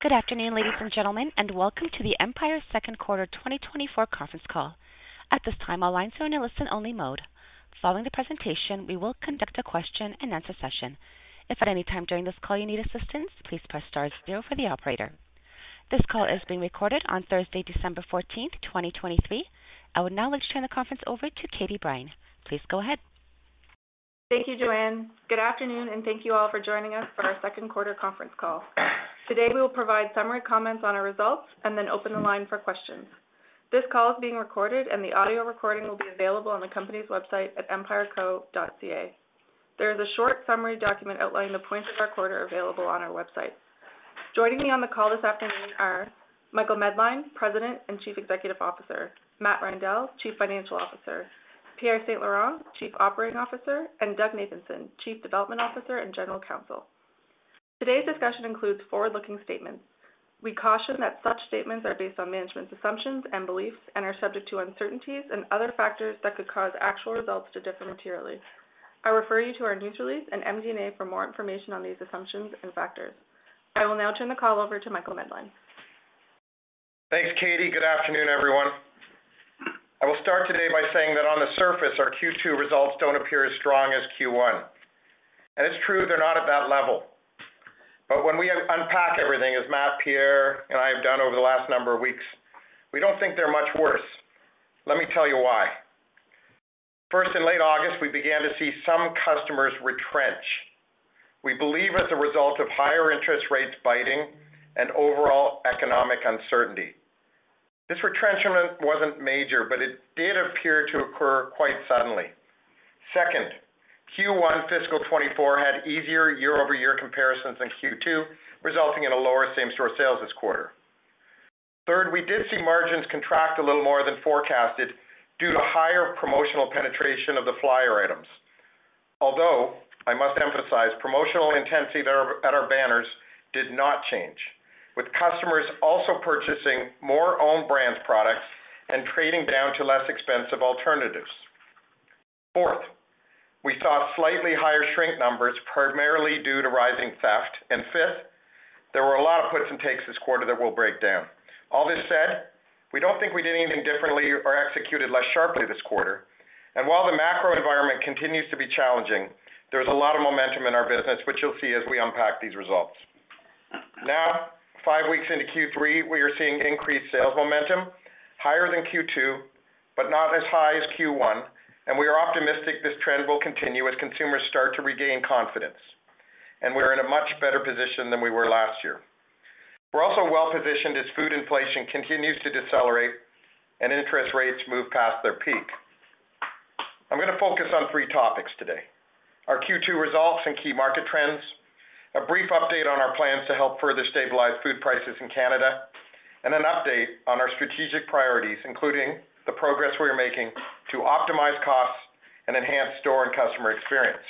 Good afternoon, ladies and gentlemen, and welcome to the Empire second quarter 2024 conference call. At this time, all lines are in a listen-only mode. Following the presentation, we will conduct a question-and-answer session. If at any time during this call you need assistance, please press star zero for the operator. This call is being recorded on Thursday, December 14th, 2023. I would now like to turn the conference over to Katie Brine. Please go ahead. Thank you, Joanne. Good afternoon, and thank you all for joining us for our second quarter conference call. Today, we will provide summary comments on our results and then open the line for questions. This call is being recorded, and the audio recording will be available on the company's website at empireco.ca. There is a short summary document outlining the points of our quarter available on our website. Joining me on the call this afternoon are Michael Medline, President and Chief Executive Officer, Matt Reindel, Chief Financial Officer, Pierre St-Laurent, Chief Operating Officer, and Doug Nathanson, Chief Development Officer and General Counsel. Today's discussion includes forward-looking statements. We caution that such statements are based on management's assumptions and beliefs and are subject to uncertainties and other factors that could cause actual results to differ materially. I refer you to our news release and MD&A for more information on these assumptions and factors. I will now turn the call over to Michael Medline. Thanks, Katie. Good afternoon, everyone. I will start today by saying that on the surface, our Q2 results don't appear as strong as Q1, and it's true they're not at that level. But when we unpack everything, as Matt, Pierre, and I have done over the last number of weeks, we don't think they're much worse. Let me tell you why. First, in late August, we began to see some customers retrench. We believe as a result of higher interest rates biting and overall economic uncertainty. This retrenchment wasn't major, but it did appear to occur quite suddenly. Second, Q1 fiscal 2024 had easier year-over-year comparisons than Q2, resulting in a lower same-store sales this quarter. Third, we did see margins contract a little more than forecasted due to higher promotional penetration of the flyer items. Although, I must emphasize, promotional intensity at our, at our banners did not change, with customers also purchasing more own brand products and trading down to less expensive alternatives. Fourth, we saw slightly higher shrink numbers, primarily due to rising theft. And fifth, there were a lot of puts and takes this quarter that will break down. All this said, we don't think we did anything differently or executed less sharply this quarter and while the macro environment continues to be challenging, there's a lot of momentum in our business, which you'll see as we unpack these results. Now, five weeks into Q3, we are seeing increased sales momentum, higher than Q2, but not as high as Q1, and we are optimistic this trend will continue as consumers start to regain confidence, and we are in a much better position than we were last year. We're also well-positioned as food inflation continues to decelerate and interest rates move past their peak. I'm gonna focus on three topics today: our Q2 results and key market trends, a brief update on our plans to help further stabilize food prices in Canada, and an update on our strategic priorities, including the progress we are making to optimize costs and enhance store and customer experience.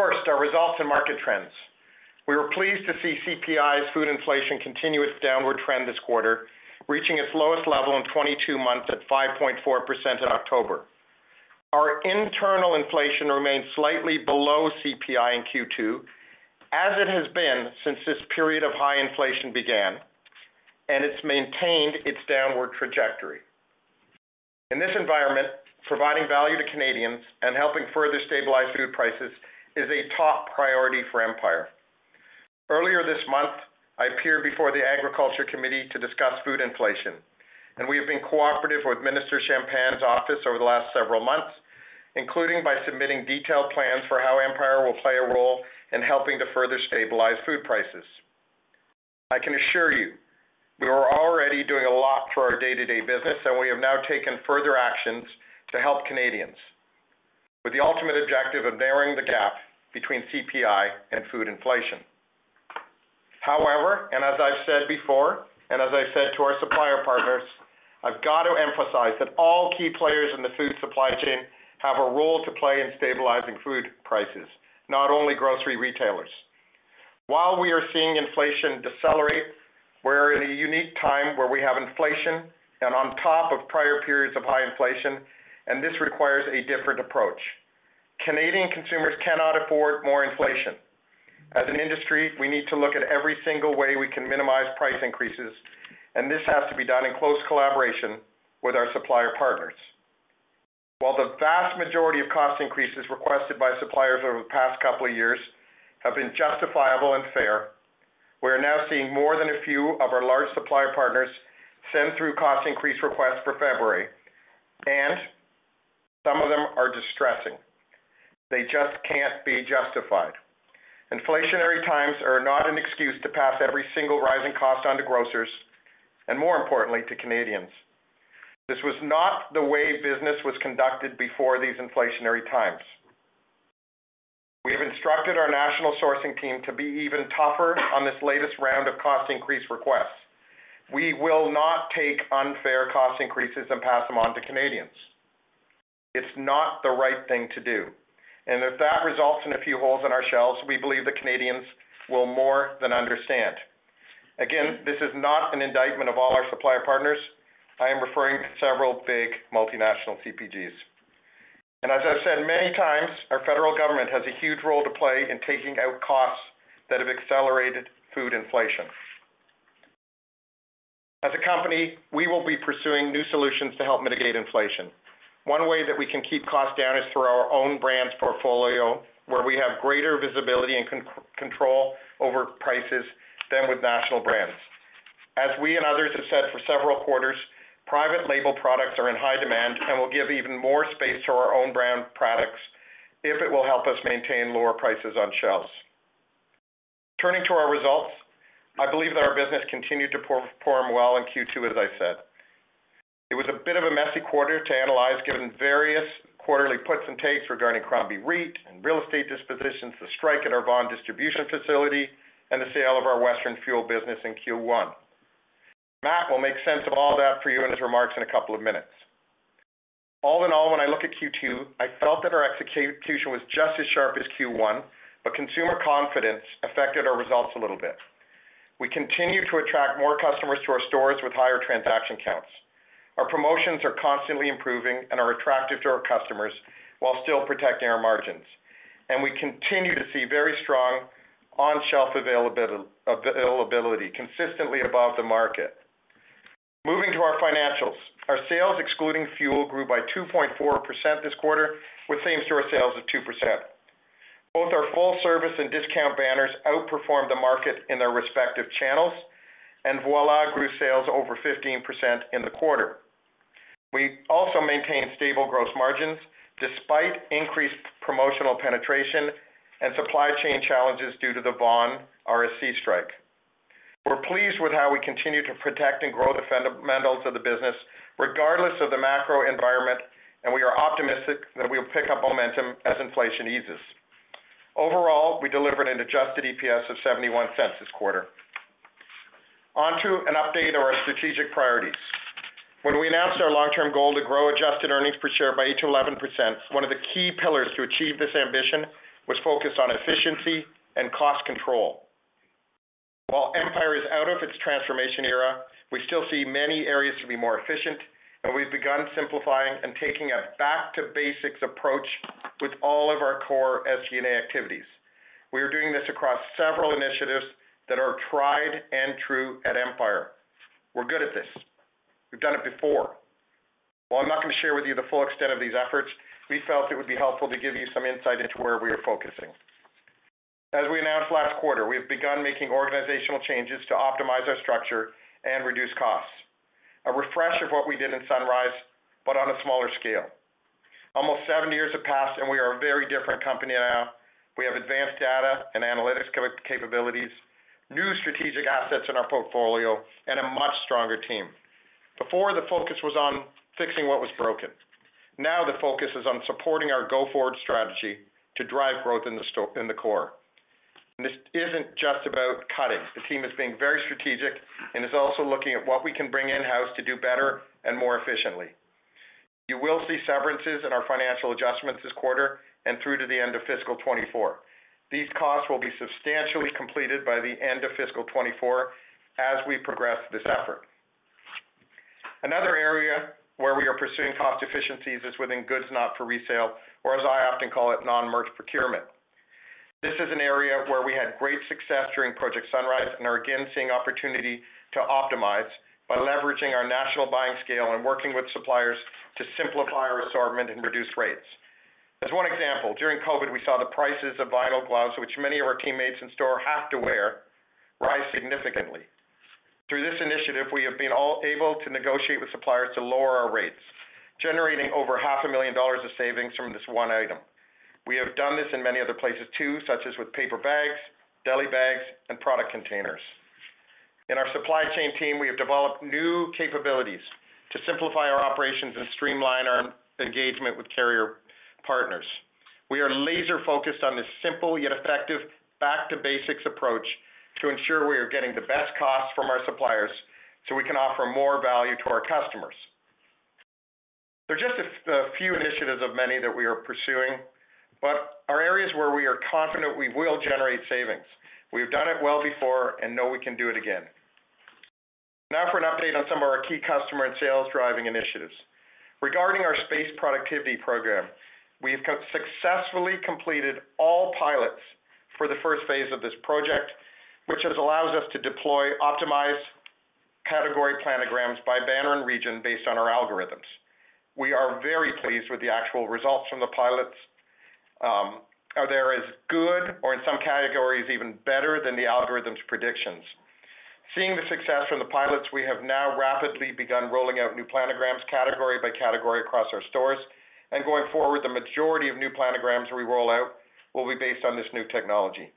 First, our results and market trends. We were pleased to see CPI's food inflation continue its downward trend this quarter, reaching its lowest level in 22 months at 5.4% in October. Our internal inflation remains slightly below CPI in Q2, as it has been since this period of high inflation began, and it's maintained its downward trajectory. In this environment, providing value to Canadians and helping further stabilize food prices is a top priority for Empire. Earlier this month, I appeared before the Agriculture Committee to discuss food inflation, and we have been cooperative with Minister Champagne's office over the last several months, including by submitting detailed plans for how Empire will play a role in helping to further stabilize food prices. I can assure you we are already doing a lot for our day-to-day business, and we have now taken further actions to help Canadians, with the ultimate objective of narrowing the gap between CPI and food inflation. However, and as I've said before, and as I said to our supplier partners, I've got to emphasize that all key players in the food supply chain have a role to play in stabilizing food prices, not only grocery retailers. While we are seeing inflation decelerate, we're in a unique time where we have inflation and on top of prior periods of high inflation, and this requires a different approach. Canadian consumers cannot afford more inflation. As an industry, we need to look at every single way we can minimize price increases, and this has to be done in close collaboration with our supplier partners. While the vast majority of cost increases requested by suppliers over the past couple of years have been justifiable and fair, we are now seeing more than a few of our large supplier partners send through cost increase requests for February, and some of them are distressing. They just can't be justified. Inflationary times are not an excuse to pass every single rising cost on to grocers and more importantly, to Canadians. This was not the way business was conducted before these inflationary times. We have instructed our national sourcing team to be even tougher on this latest round of cost increase requests. We will not take unfair cost increases and pass them on to Canadians. It's not the right thing to do, and if that results in a few holes in our shelves, we believe the Canadians will more than understand. Again, this is not an indictment of all our supplier partners. I am referring to several big multinational CPGs… and as I've said many times, our federal government has a huge role to play in taking out costs that have accelerated food inflation. As a company, we will be pursuing new solutions to help mitigate inflation. One way that we can keep costs down is through our own brands portfolio, where we have greater visibility and control over prices than with national brands. As we and others have said for several quarters, private label products are in high demand and will give even more space to our own brand products if it will help us maintain lower prices on shelves. Turning to our results, I believe that our business continued to perform, perform well in Q2, as I said. It was a bit of a messy quarter to analyze, given various quarterly puts and takes regarding Crombie REIT and real estate dispositions, the strike at our Vaughan distribution facility, and the sale of our Western fuel business in Q1. Matt will make sense of all that for you in his remarks in a couple of minutes. All in all, when I look at Q2, I felt that our execution was just as sharp as Q1, but consumer confidence affected our results a little bit. We continue to attract more customers to our stores with higher transaction counts. Our promotions are constantly improving and are attractive to our customers, while still protecting our margins. We continue to see very strong on-shelf availability, consistently above the market. Moving to our financials, our sales, excluding fuel, grew by 2.4% this quarter, with same-store sales of 2%. Both our full-service and discount banners outperformed the market in their respective channels, and Voilà grew sales over 15% in the quarter. We also maintained stable gross margins despite increased promotional penetration and supply chain challenges due to the Vaughan RSC strike. We're pleased with how we continue to protect and grow the fundamentals of the business, regardless of the macro environment, and we are optimistic that we will pick up momentum as inflation eases. Overall, we delivered an adjusted EPS of 0.71 this quarter. On to an update on our strategic priorities. When we announced our long-term goal to grow adjusted earnings per share by 8%-11%, one of the key pillars to achieve this ambition was focused on efficiency and cost control. While Empire is out of its transformation era, we still see many areas to be more efficient, and we've begun simplifying and taking a back-to-basics approach with all of our core SG&A activities. We are doing this across several initiatives that are tried and true at Empire. We're good at this. We've done it before. While I'm not going to share with you the full extent of these efforts, we felt it would be helpful to give you some insight into where we are focusing. As we announced last quarter, we have begun making organizational changes to optimize our structure and reduce costs. A refresh of what we did in Sunrise, but on a smaller scale. Almost seven years have passed, and we are a very different company now. We have advanced data and analytics capabilities, new strategic assets in our portfolio, and a much stronger team. Before, the focus was on fixing what was broken. Now, the focus is on supporting our go-forward strategy to drive growth in the core. And this isn't just about cutting. The team is being very strategic and is also looking at what we can bring in-house to do better and more efficiently. You will see severances in our financial adjustments this quarter and through to the end of fiscal 2024. These costs will be substantially completed by the end of fiscal 2024 as we progress this effort. Another area where we are pursuing cost efficiencies is within goods not for resale, or as I often call it, non-merch procurement. This is an area where we had great success during Project Sunrise and are again seeing opportunity to optimize by leveraging our national buying scale and working with suppliers to simplify our assortment and reduce rates. As one example, during COVID, we saw the prices of vinyl gloves, which many of our teammates in store have to wear, rise significantly. Through this initiative, we have been able to negotiate with suppliers to lower our rates, generating over 500,000 dollars of savings from this one item. We have done this in many other places, too, such as with paper bags, deli bags, and product containers. In our supply chain team, we have developed new capabilities to simplify our operations and streamline our engagement with carrier partners. We are laser-focused on this simple, yet effective, back-to-basics approach to ensure we are getting the best cost from our suppliers so we can offer more value to our customers. They're just a few initiatives of many that we are pursuing, but are areas where we are confident we will generate savings. We've done it well before and know we can do it again. Now for an update on some of our key customer and sales-driving initiatives. Regarding our space productivity program, we've successfully completed all pilots for the first phase of this project, which has allowed us to deploy optimized category planograms by banner and region based on our algorithms. We are very pleased with the actual results from the pilots, are as good or in some categories, even better than the algorithm's predictions. Seeing the success from the pilots, we have now rapidly begun rolling out new planograms, category by category, across our stores, and going forward, the majority of new planograms we roll out will be based on this new technology.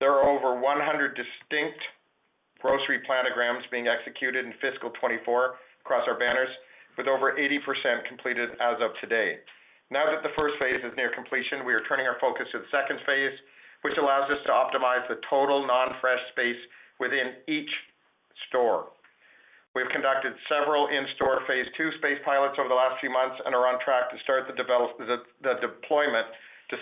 There are over 100 distinct grocery planograms being executed in fiscal 2024 across our banners, with over 80% completed as of today. Now that the first phase is near completion, we are turning our focus to the second phase, which allows us to optimize the total non-fresh space within each store. We've conducted several in-store phase two space pilots over the last few months, and are on track to start the deployment-...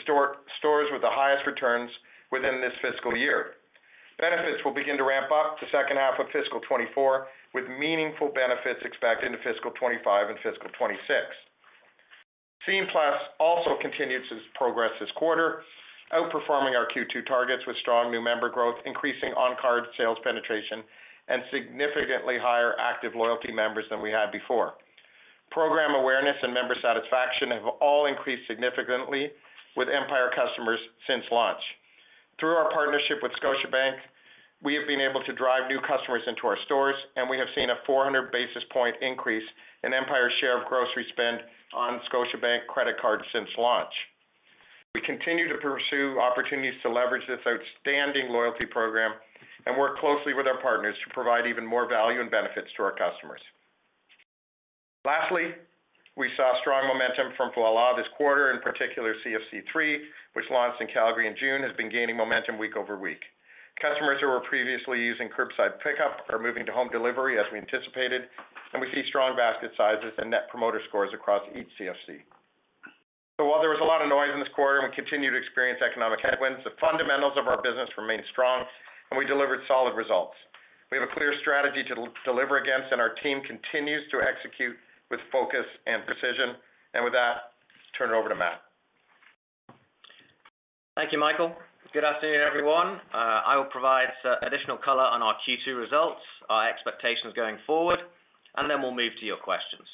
store, stores with the highest returns within this fiscal year. Benefits will begin to ramp up the second half of fiscal 2024, with meaningful benefits expected into fiscal 2025 and fiscal 2026. Scene+ also continued to progress this quarter, outperforming our Q2 targets with strong new member growth, increasing on-card sales penetration, and significantly higher active loyalty members than we had before. Program awareness and member satisfaction have all increased significantly with Empire customers since launch. Through our partnership with Scotiabank, we have been able to drive new customers into our stores, and we have seen a 400 basis point increase in Empire's share of grocery spend on Scotiabank credit cards since launch. We continue to pursue opportunities to leverage this outstanding loyalty program and work closely with our partners to provide even more value and benefits to our customers. Lastly, we saw strong momentum from Voilà this quarter, in particular, CFC 3, which launched in Calgary in June, has been gaining momentum week over week. Customers who were previously using curbside pickup are moving to home delivery, as we anticipated, and we see strong basket sizes and net promoter scores across each CFC. So while there was a lot of noise in this quarter and we continue to experience economic headwinds, the fundamentals of our business remain strong, and we delivered solid results. We have a clear strategy to deliver against, and our team continues to execute with focus and precision. And with that, let's turn it over to Matt. Thank you, Michael. Good afternoon, everyone. I will provide additional color on our Q2 results, our expectations going forward, and then we'll move to your questions.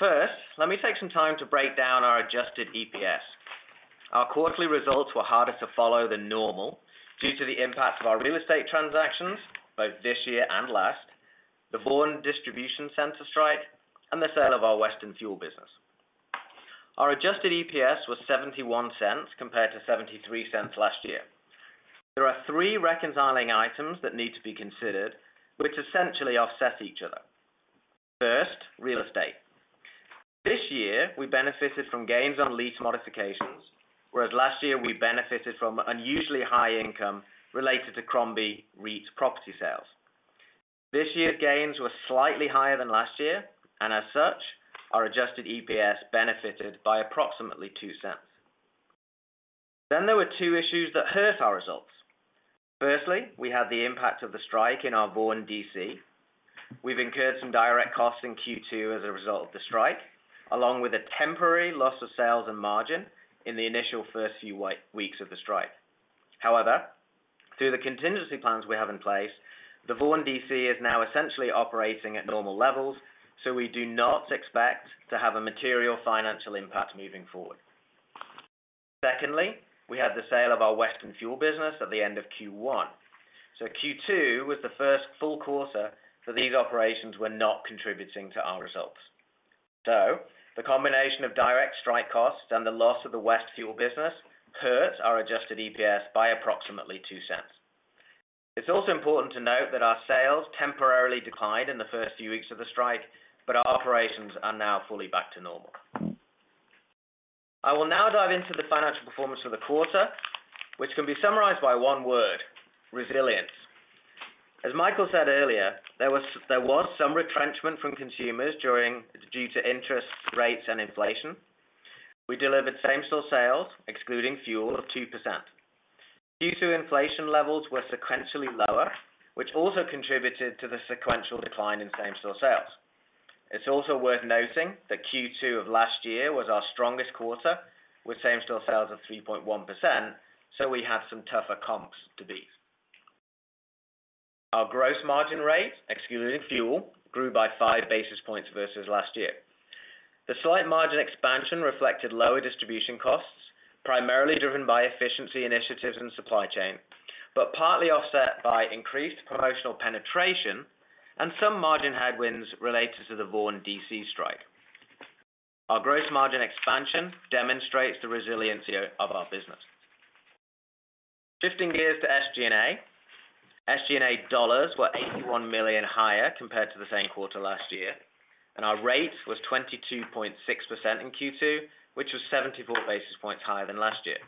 First, let me take some time to break down our adjusted EPS. Our quarterly results were harder to follow than normal due to the impact of our real estate transactions, both this year and last, the Vaughan Distribution Center strike, and the sale of our Western Fuel business. Our adjusted EPS was 0.71 compared to 0.73 last year. There are three reconciling items that need to be considered, which essentially offset each other. First, real estate. This year, we benefited from gains on lease modifications, whereas last year, we benefited from unusually high income related to Crombie REIT's property sales. This year's gains were slightly higher than last year, and as such, our adjusted EPS benefited by approximately 0.02. There were two issues that hurt our results. Firstly, we had the impact of the strike in our Vaughan DC. We've incurred some direct costs in Q2 as a result of the strike, along with a temporary loss of sales and margin in the initial first few weeks of the strike. However, through the contingency plans we have in place, the Vaughan DC is now essentially operating at normal levels, so we do not expect to have a material financial impact moving forward. Secondly, we had the sale of our Western Fuel business at the end of Q1, so Q2 was the first full quarter for these operations were not contributing to our results. So the combination of direct strike costs and the loss of the West Fuel business hurt our adjusted EPS by approximately 0.02. It's also important to note that our sales temporarily declined in the first few weeks of the strike, but our operations are now fully back to normal. I will now dive into the financial performance for the quarter, which can be summarized by one word, "resilience." As Michael said earlier, there was some retrenchment from consumers due to interest rates and inflation. We delivered same-store sales, excluding fuel, of 2%. Q2 inflation levels were sequentially lower, which also contributed to the sequential decline in same-store sales. It's also worth noting that Q2 of last year was our strongest quarter, with same-store sales of 3.1%, so we have some tougher comps to beat. Our gross margin rate, excluding fuel, grew by five basis points versus last year. The slight margin expansion reflected lower distribution costs, primarily driven by efficiency initiatives and supply chain, but partly offset by increased promotional penetration and some margin headwinds related to the Vaughan DC strike. Our gross margin expansion demonstrates the resiliency of our business. Shifting gears to SG&A. SG&A dollars were 81 million higher compared to the same quarter last year, and our rate was 22.6% in Q2, which was 74 basis points higher than last year.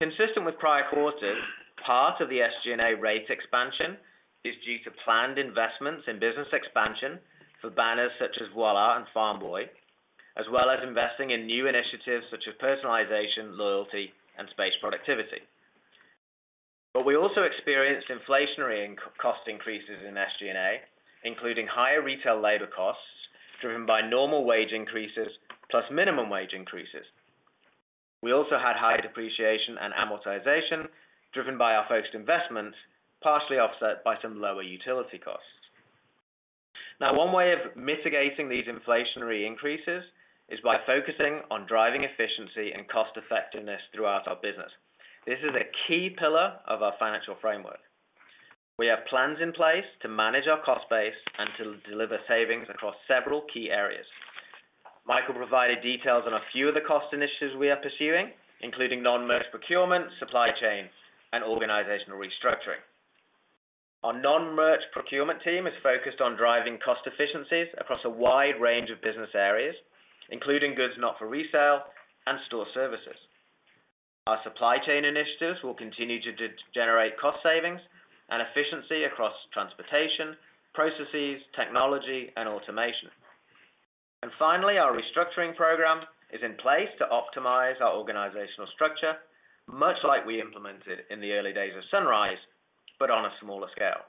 Consistent with prior quarters, part of the SG&A rate expansion is due to planned investments in business expansion for banners such as Voilà and Farm Boy, as well as investing in new initiatives such as personalization, loyalty, and space productivity. But we also experienced inflationary cost increases in SG&A, including higher retail labor costs, driven by normal wage increases, plus minimum wage increases. We also had higher depreciation and amortization driven by our focused investments, partially offset by some lower utility costs. Now, one way of mitigating these inflationary increases is by focusing on driving efficiency and cost effectiveness throughout our business. This is a key pillar of our financial framework. We have plans in place to manage our cost base and to deliver savings across several key areas. Michael provided details on a few of the cost initiatives we are pursuing, including non-merch procurement, supply chain, and organizational restructuring. Our non-merch procurement team is focused on driving cost efficiencies across a wide range of business areas, including goods not for resale and store services. Our supply chain initiatives will continue to generate cost savings and efficiency across transportation, processes, technology, and automation. Finally, our restructuring program is in place to optimize our organizational structure, much like we implemented in the early days of Sunrise, but on a smaller scale.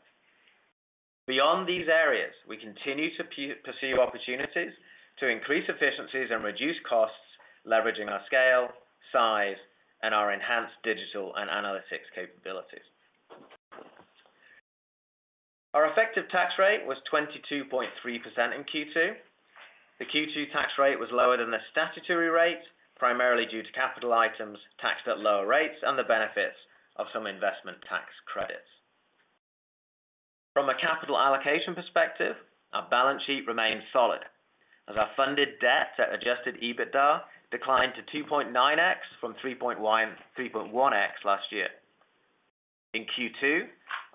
Beyond these areas, we continue to pursue opportunities to increase efficiencies and reduce costs, leveraging our scale, size, and our enhanced digital and analytics capabilities. Our effective tax rate was 22.3% in Q2. The Q2 tax rate was lower than the statutory rate, primarily due to capital items taxed at lower rates and the benefits of some investment tax credits. From a capital allocation perspective, our balance sheet remains solid as our funded debt at adjusted EBITDA declined to 2.9x from 3.1, 3.1x last year. In Q2,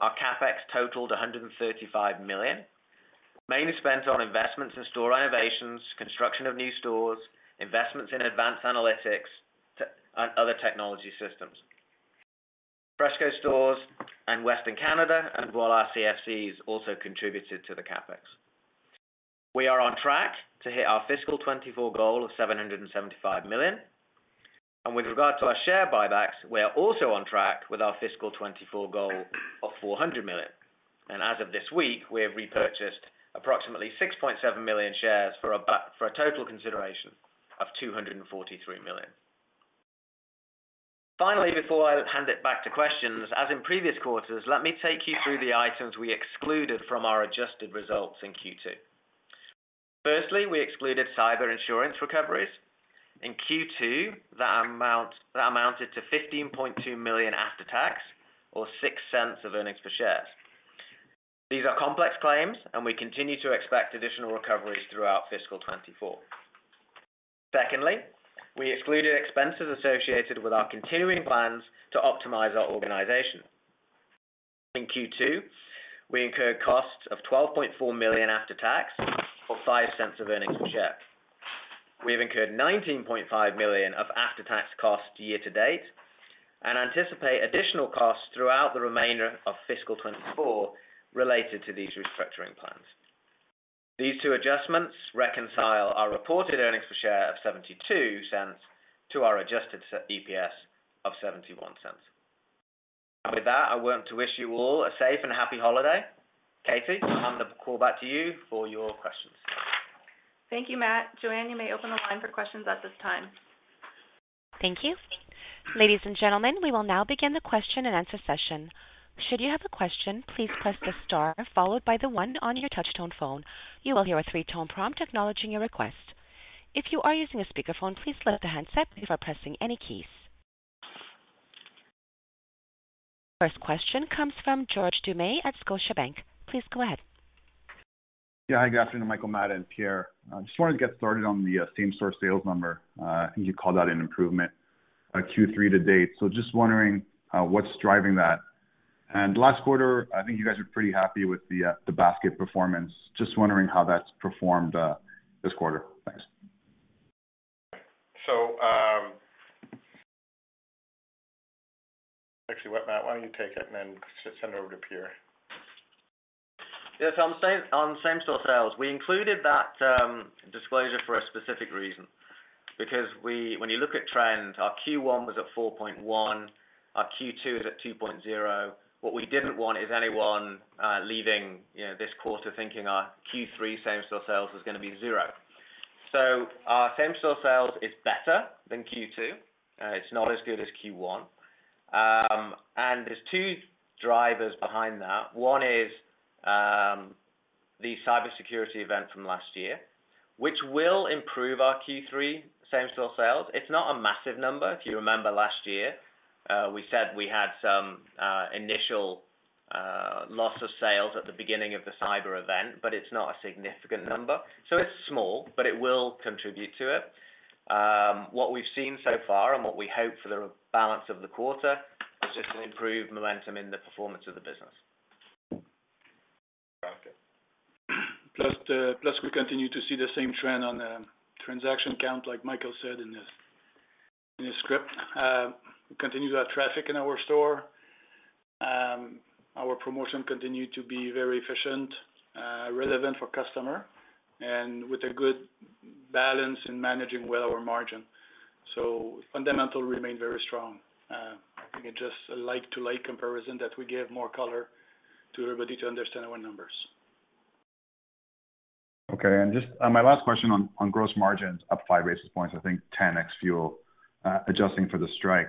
our CapEx totaled 135 million, mainly spent on investments in store renovations, construction of new stores, investments in advanced analytics, and other technology systems. FreshCo stores in Western Canada and Voilà CFCs also contributed to the CapEx. We are on track to hit our fiscal 2024 goal of 775 million. With regard to our share buybacks, we are also on track with our fiscal 2024 goal of 400 million. As of this week, we have repurchased approximately 6.7 million shares for a total consideration of 243 million. Finally, before I hand it back to questions, as in previous quarters, let me take you through the items we excluded from our adjusted results in Q2. Firstly, we excluded cyber insurance recoveries. In Q2, that amount, that amounted to 15.2 million after tax, or 0.06 of earnings per share. These are complex claims, and we continue to expect additional recoveries throughout fiscal 2024. Secondly, we excluded expenses associated with our continuing plans to optimize our organization. In Q2, we incurred costs of 12.4 million after tax or 0.05 of earnings per share. We have incurred 19.5 million of after-tax costs year-to-date and anticipate additional costs throughout the remainder of fiscal 2024 related to these restructuring plans. These two adjustments reconcile our reported earnings per share of 0.72 to our adjusted EPS of 0.71. And with that, I want to wish you all a safe and happy holiday. Katie, I'll hand the call back to you for your questions. Thank you, Matt. Joanne, you may open the line for questions at this time. Thank you. Ladies and gentlemen, we will now begin the question-and-answer session. Should you have a question, please press the star followed by the one on your touchtone phone. You will hear a three-tone prompt acknowledging your request. If you are using a speakerphone, please lift the handset before pressing any keys. First question comes from George Doumet at Scotiabank. Please go ahead. Yeah. Hi, good afternoon, Michael, Matt, and Pierre. I just wanted to get started on the same-store sales number. I think you called that an improvement, Q3 to date. So just wondering, what's driving that? And last quarter, I think you guys were pretty happy with the basket performance. Just wondering how that's performed, this quarter. Thanks. Actually, Matt, why don't you take it and then just send it over to Pierre? Yes, on same-store sales, we included that, disclosure for a specific reason. Because we, when you look at trend, our Q1 was at 4.1, our Q2 is at 2.0. What we didn't want is anyone, leaving, you know, this quarter thinking our Q3 same-store sales was gonna be zero. So our same-store sales is better than Q2. It's not as good as Q1. And there's two drivers behind that. One is, the cybersecurity event from last year, which will improve our Q3 same-store sales. It's not a massive number. If you remember last year, we said we had some, initial, loss of sales at the beginning of the cyber event, but it's not a significant number. So it's small, but it will contribute to it. What we've seen so far and what we hope for the balance of the quarter, is just an improved momentum in the performance of the business. Okay. Plus we continue to see the same trend on the transaction count, like Michael said in his script. We continue to have traffic in our store. Our promotion continued to be very efficient, relevant for customer and with a good balance in managing well our margin. So fundamental remain very strong. I think it's just a like-to-like comparison that we give more color to everybody to understand our numbers. Okay. And just, my last question on, on gross margins up 5 basis points, I think 10x fuel, adjusting for the strike.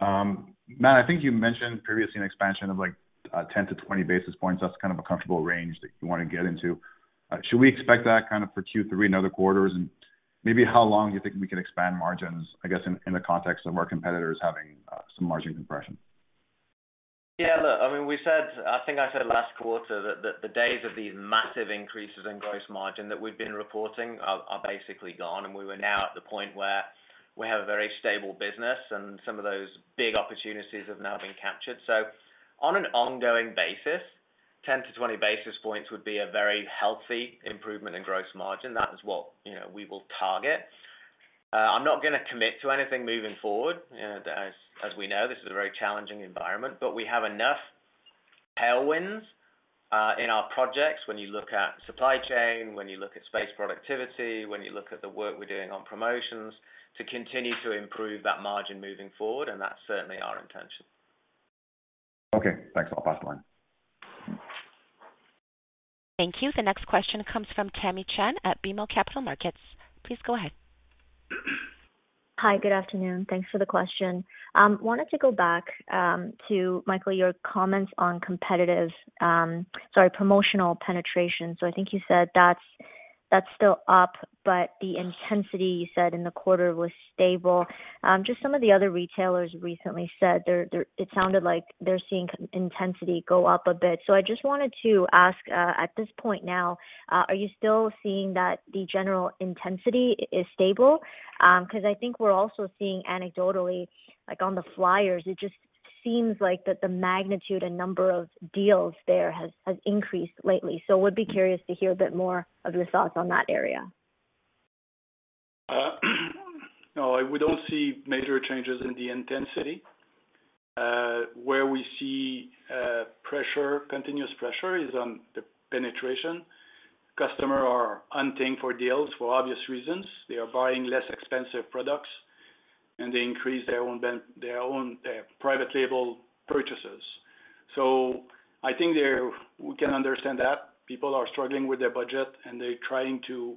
Matt, I think you mentioned previously an expansion of like, ten to 20 basis points. That's kind of a comfortable range that you want to get into. Should we expect that kind of for Q3 and other quarters? And maybe how long you think we can expand margins, I guess, in, in the context of more competitors having, some margin compression? Yeah, look, I mean, we said... I think I said last quarter, that, that the days of these massive increases in gross margin that we've been reporting are, are basically gone, and we were now at the point where we have a very stable business, and some of those big opportunities have now been captured. So on an ongoing basis, 10-20 basis points would be a very healthy improvement in gross margin. That is what, you know, we will target. I'm not gonna commit to anything moving forward. You know, as, as we know, this is a very challenging environment, but we have enough tailwinds in our projects when you look at supply chain, when you look at space productivity, when you look at the work we're doing on promotions, to continue to improve that margin moving forward, and that's certainly our intention. Okay, thanks. I'll pass the line. Thank you. The next question comes from Tammy Chen at BMO Capital Markets. Please go ahead. Hi, good afternoon. Thanks for the question. Wanted to go back to Michael, your comments on competitive, sorry, promotional penetration. So I think you said that's still up, but the intensity, you said in the quarter was stable. Just some of the other retailers recently said they're seeing con- intensity go up a bit. So I just wanted to ask, at this point now, are you still seeing that the general intensity is stable? Because I think we're also seeing anecdotally, like on the flyers, it just seems like that the magnitude and number of deals there has increased lately. So would be curious to hear a bit more of your thoughts on that area. No, we don't see major changes in the intensity. Where we see pressure, continuous pressure is on the penetration. Customers are hunting for deals for obvious reasons. They are buying less expensive products, and they increase their own brand, their own private label purchases. So I think they're... We can understand that. People are struggling with their budget, and they're trying to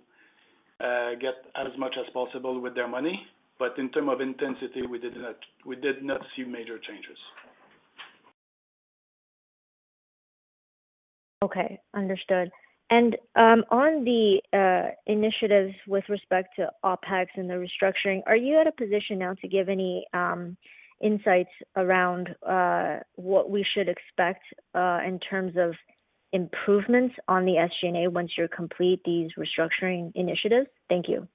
get as much as possible with their money. But in terms of intensity, we did not, we did not see major changes. Okay, understood. On the initiatives with respect to OpEx and the restructuring, are you at a position now to give any insights around what we should expect in terms of improvements on the SG&A once you complete these restructuring initiatives? Thank you.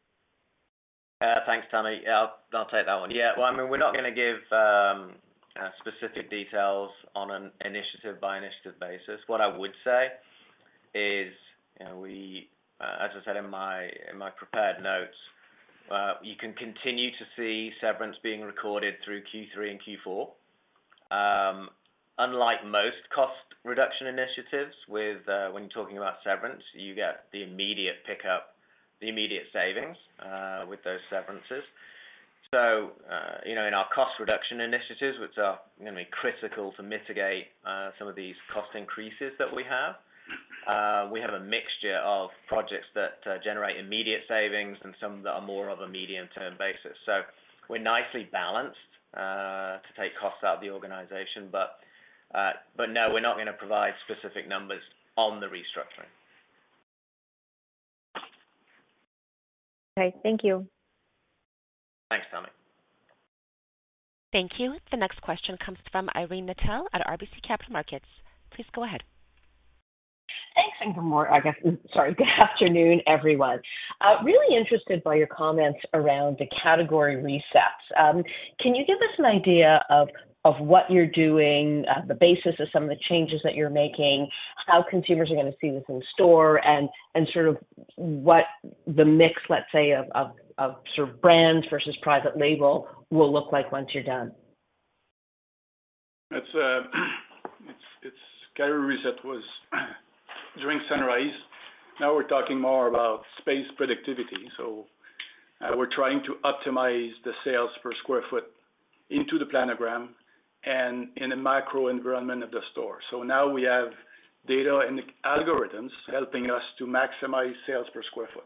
Thanks, Tammy. Yeah, I'll take that one. Yeah, well, I mean, we're not gonna give, specific details on an initiative by initiative basis. What I would say is, you know, we, as I said in my prepared notes, you can continue to see severance being recorded through Q3 and Q4. Unlike most cost reduction initiatives, with, when you're talking about severance, you get the immediate pickup, the immediate savings, with those severances. So, you know, in our cost reduction initiatives, which are gonna be critical to mitigate, some of these cost increases that we have, we have a mixture of projects that, generate immediate savings and some that are more of a medium-term basis. So we're nicely balanced to take costs out of the organization, but, but no, we're not gonna provide specific numbers on the restructuring. Okay, thank you. Thanks, Tammy. Thank you. The next question comes from Irene Nattel at RBC Capital Markets. Please go ahead. Thanks, and good morning, I guess, sorry, good afternoon, everyone. Really interested by your comments around the category resets. Can you give us an idea of what you're doing, the basis of some of the changes that you're making, how consumers are gonna see this in store, and sort of what the mix, let's say, of sort of brands versus private label will look like once you're done? It's category reset was during Sunrise. Now we're talking more about space productivity. So, we're trying to optimize the sales per square foot into the planogram and in a microenvironment of the store. So now we have data and algorithms helping us to maximize sales per square foot.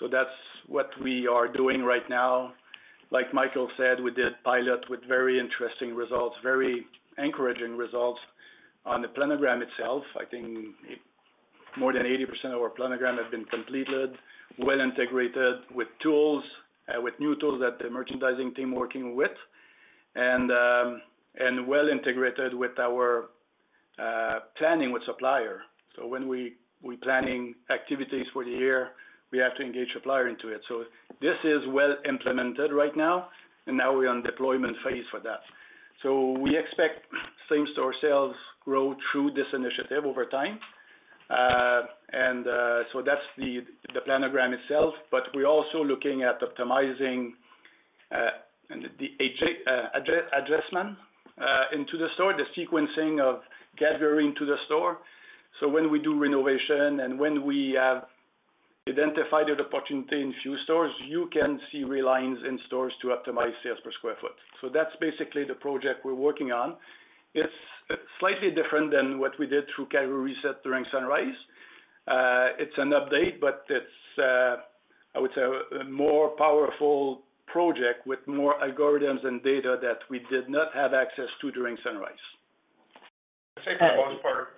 So that's what we are doing right now. Like Michael said, we did a pilot with very interesting results, very encouraging results on the planogram itself. I think more than 80% of our planogram has been completed, well integrated with tools, with new tools that the merchandising team working with, and, and well integrated with our, planning with supplier. So when we planning activities for the year, we have to engage supplier into it. So this is well implemented right now, and now we're on deployment phase for that. So we expect same-store sales grow through this initiative over time. So that's the planogram itself, but we're also looking at optimizing the adjacency assessment into the store, the sequencing of gathering to the store. So when we do renovation and when we have identified the opportunity in few stores, you can see realigns in stores to optimize sales per square foot. So that's basically the project we're working on. It's slightly different than what we did through category reset during Sunrise. It's an update, but it's, I would say, a more powerful project with more algorithms and data that we did not have access to during Sunrise. Great- I'd say for the most part,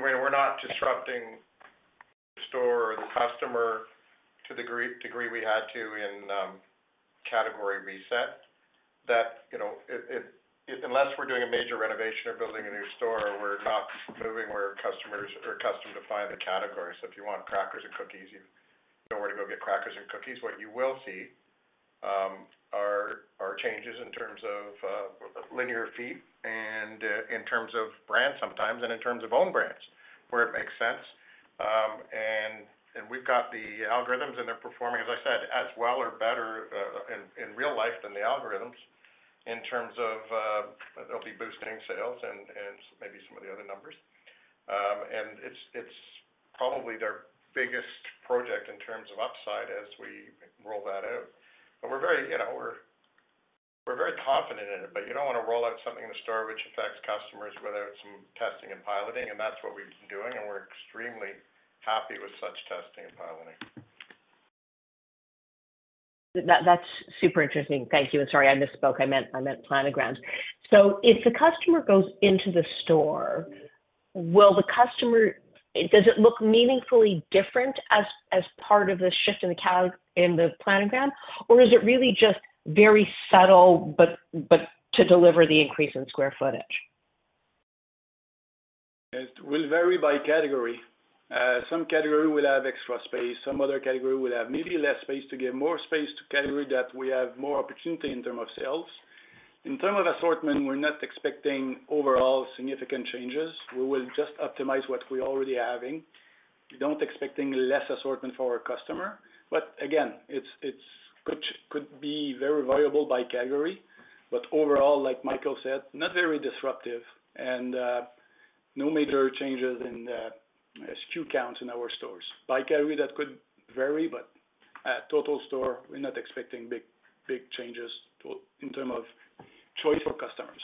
we're not disrupting store or the customer to the degree we had to in category reset. You know, unless we're doing a major renovation or building a new store, we're not moving where customers are accustomed to find the categories. So if you want crackers and cookies, you know where to go get crackers and cookies. What you will see are changes in terms of linear feet and in terms of brands sometimes, and in terms of own brands, where it makes sense. And we've got the algorithms, and they're performing, as I said, as well or better in real life than the algorithms, in terms of they'll be boosting sales and maybe some of the other numbers. And it's, it's probably their biggest project in terms of upside as we roll that out. But we're very, you know, we're very confident in it, but you don't wanna roll out something in the store which affects customers without some testing and piloting, and that's what we've been doing, and we're extremely happy with such testing and piloting. That's super interesting. Thank you. Sorry, I misspoke. I meant planograms. So if the customer goes into the store, does it look meaningfully different as part of the shift in the category in the planogram, or is it really just very subtle, but to deliver the increase in square footage? It will vary by category. Some category will have extra space, some other category will have maybe less space to give more space to category that we have more opportunity in term of sales. In term of assortment, we're not expecting overall significant changes. We will just optimize what we're already having. We don't expect less assortment for our customer, but again, it could be very variable by category, but overall, like Michael said, not very disruptive and no major changes in SKU counts in our stores. By category, that could vary, but total store, we're not expecting big changes to in term of choice for customers.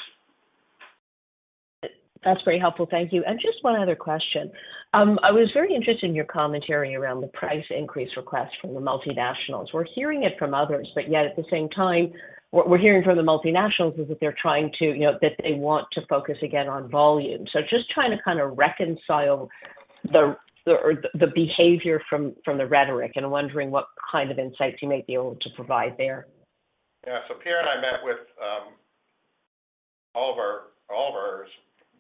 That's very helpful. Thank you. Just one other question. I was very interested in your commentary around the price increase request from the multinationals. We're hearing it from others, but yet at the same time, what we're hearing from the multinationals is that they're trying to, you know, that they want to focus again on volume. Just trying to kind of reconcile the behavior from the rhetoric, and wondering what kind of insights you may be able to provide there. Yeah. So Pierre and I met with all of our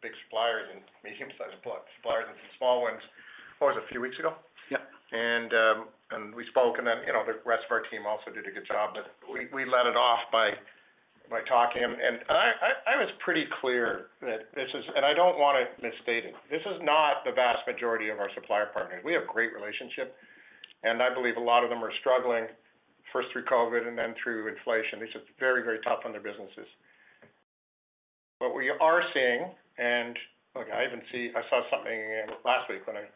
big suppliers and medium-sized suppliers and some small ones, what was it, a few weeks ago? Yeah. We spoke, and then, you know, the rest of our team also did a good job, but we led it off by talking. I was pretty clear that this is... I don't wanna misstate it. This is not the vast majority of our supplier partners. We have great relationship, and I believe a lot of them are struggling, first through COVID and then through inflation. It's just very, very tough on their businesses. But we are seeing, and look, I even saw something last week when a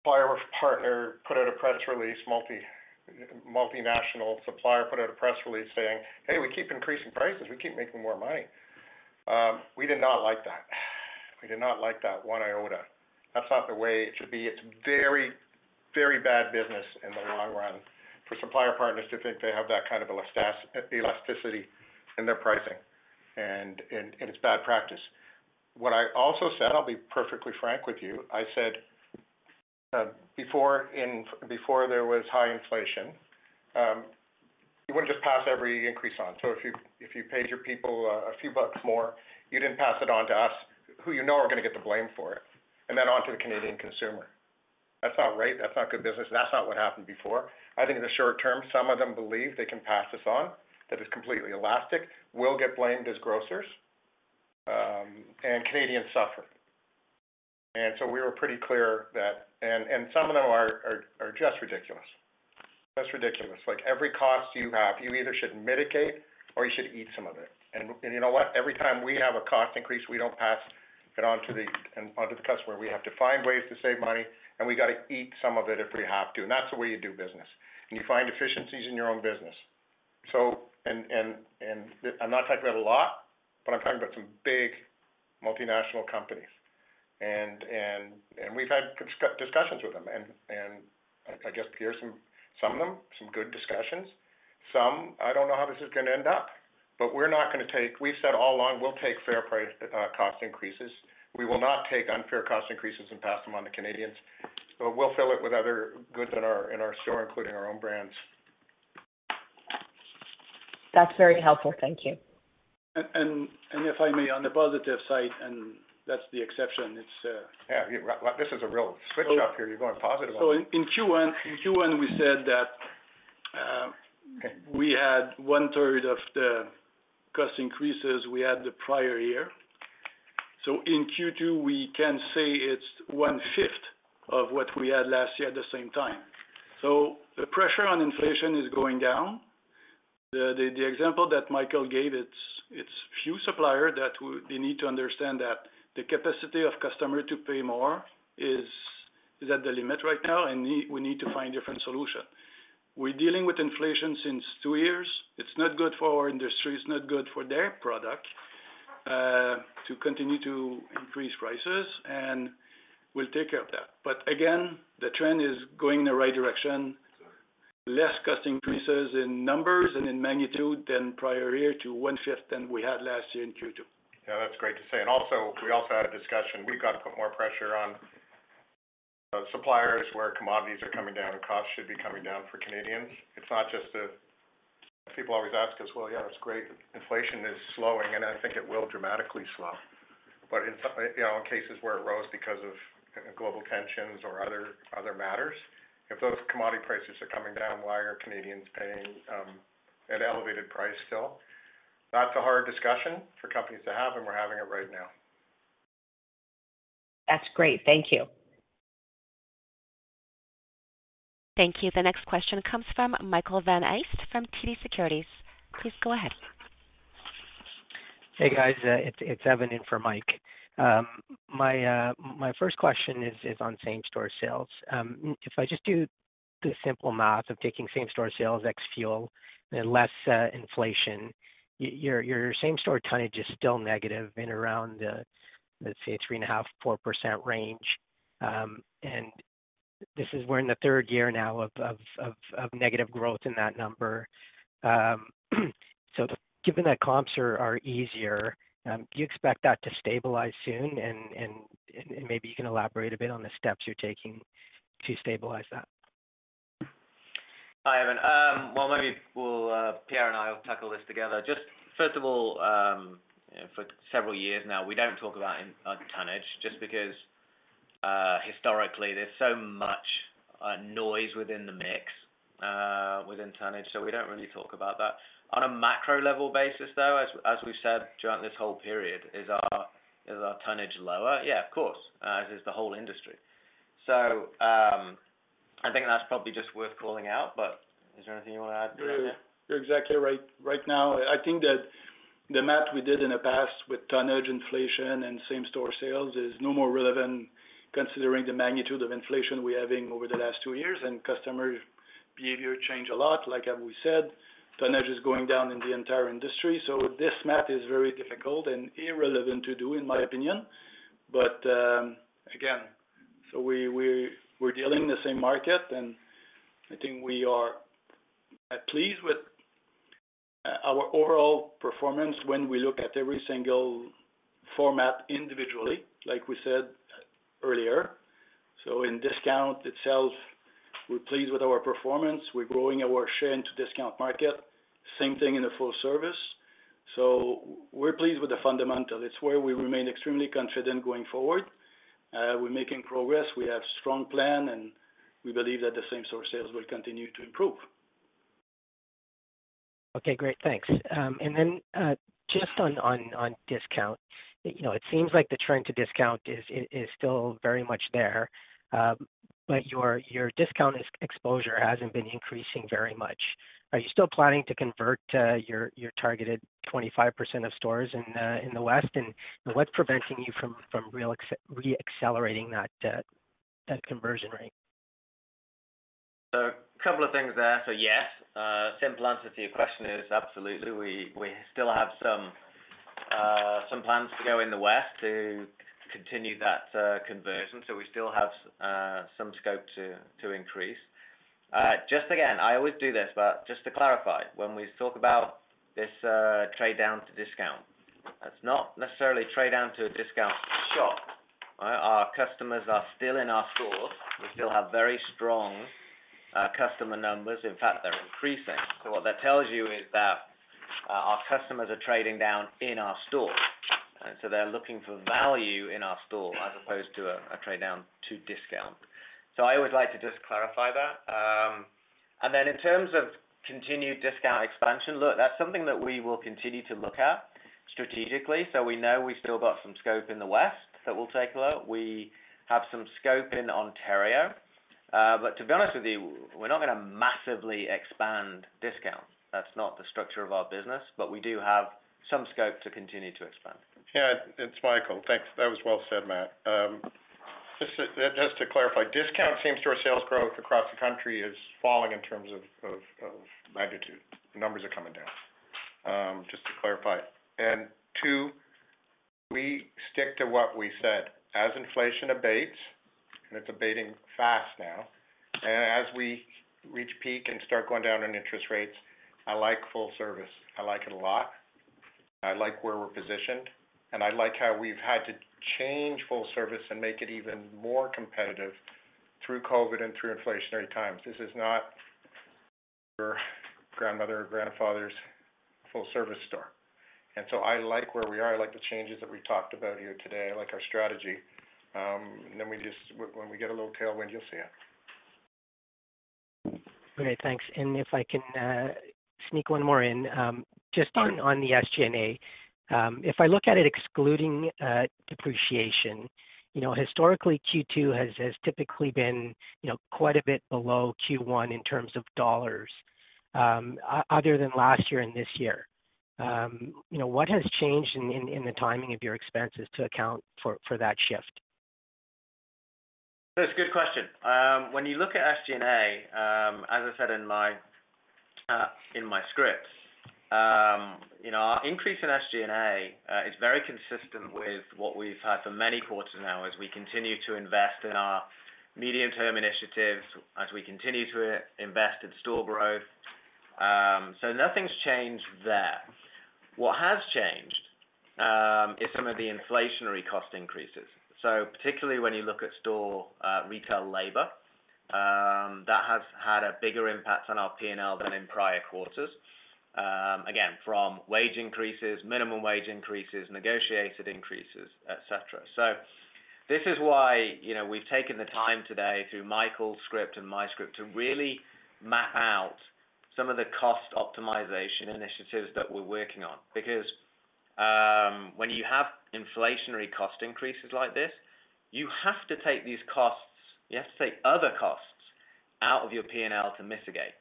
supplier partner put out a press release, multinational supplier, put out a press release saying: "Hey, we keep increasing prices. We keep making more money." We did not like that. We did not like that one iota. That's not the way it should be. It's very, very bad business in the long run for supplier partners to think they have that kind of elasticity in their pricing, and it's bad practice. What I also said, I'll be perfectly frank with you, I said before there was high inflation, you wouldn't just pass every increase on. So if you, if you paid your people a few bucks more, you didn't pass it on to us, who you know are gonna get the blame for it, and then on to the Canadian consumer. That's not right. That's not good business. That's not what happened before. I think in the short term, some of them believe they can pass this on, that it's completely elastic. We'll get blamed as grocers, and Canadians suffer. And so we were pretty clear that... And some of them are just ridiculous. Just ridiculous. Like, every cost you have, you either should mitigate or you should eat some of it. And you know what? Every time we have a cost increase, we don't pass it on to the customer. We have to find ways to save money, and we got to eat some of it if we have to, and that's the way you do business, and you find efficiencies in your own business. So I'm not talking about a lot, but I'm talking about some big multinational companies. And we've had discussions with them, and I guess, Pierre, some of them, some good discussions. Some, I don't know how this is gonna end up, but we're not gonna take. We've said all along, we'll take fair price, cost increases. We will not take unfair cost increases and pass them on to Canadians, so we'll fill it with other goods in our, in our store, including our own brands. That's very helpful. Thank you. If I may, on the positive side, and that's the exception, it's Yeah, this is a real switch up here. You're going positive. So in Q1, we said that we had one third of the cost increases we had the prior year. So in Q2, we can say it's one fifth of what we had last year at the same time. So the pressure on inflation is going down. The example that Michael gave, it's few suppliers that they need to understand that the capacity of customers to pay more is at the limit right now, and we need to find different solutions. We're dealing with inflation since 2 years. It's not good for our industry, it's not good for their product to continue to increase prices, and we'll take care of that. But again, the trend is going in the right direction. Less cost increases in numbers and in magnitude than prior year to 1/5 than we had last year in Q2. Yeah, that's great to say. And also, we also had a discussion. We've got to put more pressure on suppliers where commodities are coming down and costs should be coming down for Canadians. It's not just the... People always ask us: Well, yeah, it's great, inflation is slowing, and I think it will dramatically slow. But in some, you know, in cases where it rose because of global tensions or other, other matters, if those commodity prices are coming down, why are Canadians paying at elevated price still? That's a hard discussion for companies to have, and we're having it right now.... That's great. Thank you. Thank you. The next question comes from Michael Van Aelst from TD Securities. Please go ahead. Hey, guys, it's Evan in for Mike. My first question is on same-store sales. If I just do the simple math of taking same-store sales, ex-fuel, and less inflation, your same-store tonnage is still negative in around, let's say, 3.5%-4% range. And this is, we're in the third year now of negative growth in that number. So given that comps are easier, do you expect that to stabilize soon? And maybe you can elaborate a bit on the steps you're taking to stabilize that. Hi, Evan. Well, maybe we'll, Pierre and I will tackle this together. Just first of all, for several years now, we don't talk about in tonnage, just because historically, there's so much noise within the mix within tonnage, so we don't really talk about that. On a macro-level basis, though, as we said, throughout this whole period, is our tonnage lower? Yeah, of course, as is the whole industry. So, I think that's probably just worth calling out, but is there anything you want to add, Pierre? You're exactly right. Right now, I think that the math we did in the past with tonnage inflation and same-store sales is no more relevant, considering the magnitude of inflation we're having over the last two years, and customer behavior change a lot. Like, as we said, tonnage is going down in the entire industry, so this math is very difficult and irrelevant to do, in my opinion. But again, we're dealing in the same market, and I think we are pleased with our overall performance when we look at every single format individually, like we said earlier. So in discount itself, we're pleased with our performance. We're growing our share into discount market, same thing in the full service. So we're pleased with the fundamental. It's where we remain extremely confident going forward. We're making progress, we have strong plan, and we believe that the same store sales will continue to improve. Okay, great. Thanks. And then, just on discount, you know, it seems like the trend to discount is still very much there, but your discount exposure hasn't been increasing very much. Are you still planning to convert your targeted 25% of stores in the West? And what's preventing you from reaccelerating that conversion rate? A couple of things there. Yes, simple answer to your question is absolutely. We still have some plans to go in the West to continue that conversion, so we still have some scope to increase. Just again, I always do this, but just to clarify, when we talk about this trade down to discount, that's not necessarily trade down to a discount shop. Our customers are still in our stores. We still have very strong customer numbers. In fact, they're increasing. So what that tells you is that our customers are trading down in our stores, so they're looking for value in our store as opposed to a trade down to discount. I always like to just clarify that. And then in terms of continued discount expansion, look, that's something that we will continue to look at strategically. So we know we still got some scope in the West that we'll take a look. We have some scope in Ontario, but to be honest with you, we're not gonna massively expand discount. That's not the structure of our business, but we do have some scope to continue to expand. Yeah, it's Michael. Thanks. That was well said, Matt. Just to clarify, discount same-store sales growth across the country is falling in terms of magnitude. The numbers are coming down, just to clarify. And two, we stick to what we said. As inflation abates, and it's abating fast now, and as we reach peak and start going down on interest rates, I like full service. I like it a lot. I like where we're positioned, and I like how we've had to change full service and make it even more competitive through COVID and through inflationary times. This is not your grandmother or grandfather's full-service store, and so I like where we are. I like the changes that we talked about here today. I like our strategy, and then we just, when we get a little tailwind, you'll see it. Great, thanks. And if I can, sneak one more in, just- Sure. On the SG&A. If I look at it, excluding depreciation, you know, historically, Q2 has typically been, you know, quite a bit below Q1 in terms of dollars, other than last year and this year. You know, what has changed in the timing of your expenses to account for that shift? That's a good question. When you look at SG&A, as I said in my script, you know, our increase in SG&A is very consistent with what we've had for many quarters now, as we continue to invest in our medium-term initiatives, as we continue to invest in store growth. So nothing's changed there. What has changed is some of the inflationary cost increases. So particularly when you look at store retail labor, that has had a bigger impact on our P&L than in prior quarters. Again, from wage increases, minimum wage increases, negotiated increases, et cetera. So this is why, you know, we've taken the time today through Michael's script and my script, to really map out some of the cost optimization initiatives that we're working on. Because, when you have inflationary cost increases like this, you have to take these costs, you have to take other costs out of your P&L to mitigate.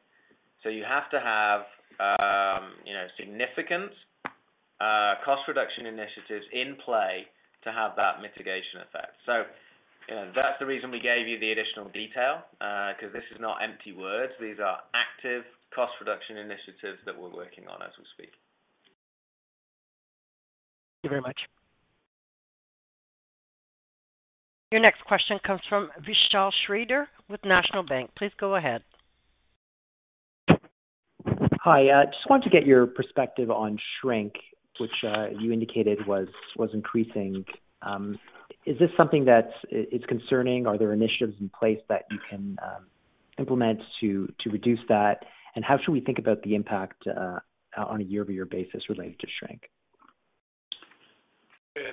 So you have to have, you know, significant cost reduction initiatives in play to have that mitigation effect. So, you know, that's the reason we gave you the additional detail, because this is not empty words. These are active cost reduction initiatives that we're working on as we speak. Thank you very much. Your next question comes from Vishal Shridhar with National Bank. Please go ahead. Hi, just wanted to get your perspective on shrink, which you indicated was increasing. Is this something that's concerning? Are there initiatives in place that you can implement to reduce that? And how should we think about the impact on a year-over-year basis related to shrink?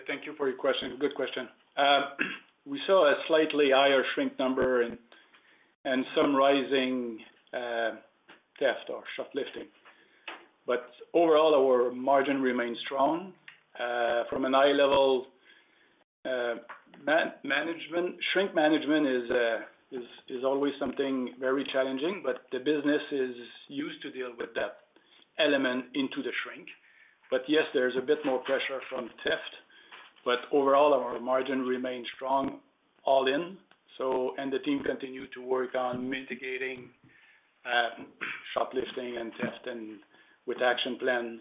Thank you for your question. Good question. We saw a slightly higher shrink number and some rising theft or shoplifting, but overall, our margin remains strong. From a high level, man-management, shrink management is always something very challenging, but the business is used to deal with that element into the shrink. But yes, there's a bit more pressure from theft, but overall, our margin remains strong all in. So... And the team continue to work on mitigating shoplifting and theft with action plans.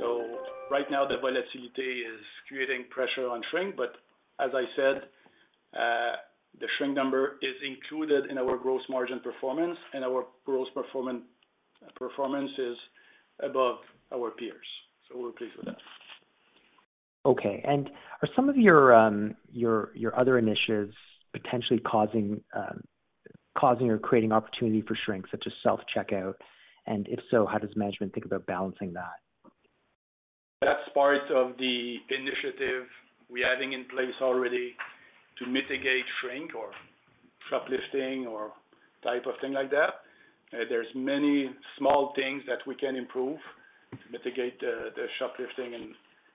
So right now, the volatility is creating pressure on shrink, but as I said, the shrink number is included in our gross margin performance, and our gross performance is above our peers, so we're pleased with that. Okay. Are some of your other initiatives potentially causing or creating opportunity for shrink, such as self-checkout? If so, how does management think about balancing that? That's part of the initiative we're having in place already to mitigate shrink or shoplifting or type of thing like that. There's many small things that we can improve to mitigate the shoplifting